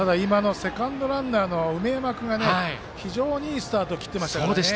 セカンドランナーの梅山君が非常にいいスタートを切ってましたからね。